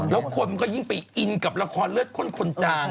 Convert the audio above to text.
แล้วคนมันก็ยิ่งไปอินกับละครเลือดข้นคนจาง